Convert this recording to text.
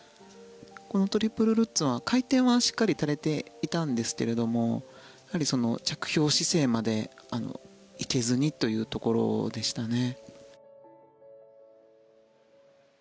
このトリプルルッツは回転はしっかり足りていたんですけどやはり着氷姿勢まで行けずにというところでしたね。